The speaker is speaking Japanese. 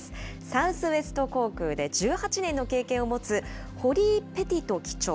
サウスウェスト航空で、１８年の経験を持つホリー・ペティト機長。